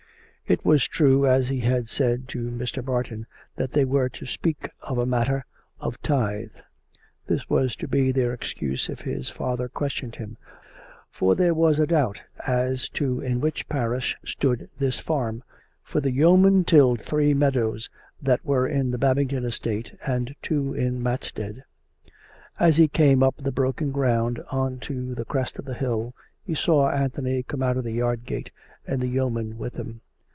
It was true, as he had said to Mr. Barton, that they were to speak of a mat ter of tithe — this was to be their excuse if his father ques tioned him — for there was . a doubt as to in which parish stood this farm, for the yeoman tilled three meadows that were in the Babington estate and two in Matstead. As he came up the broken ground on to the crest of the hill, he saw Anthony come out of the yard gate and the yeoman with him.